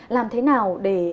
làm thế nào để